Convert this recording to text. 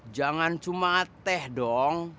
jangan cuma teh dong